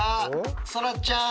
そらちゃん